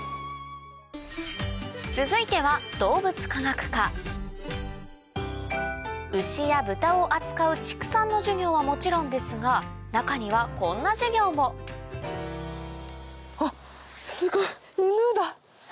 続いては動物科学科牛や豚を扱う畜産の授業はもちろんですが中にはこんな授業もあっすごい。